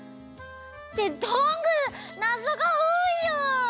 ってどんぐーなぞがおおいよ！